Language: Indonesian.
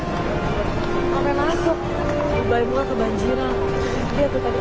mereka masuk di dubai juga kebanjiran